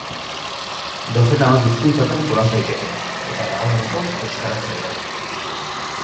Dozena bat hizkuntzatan jolas daiteke, eta, dagoeneko, euskaraz ere bai.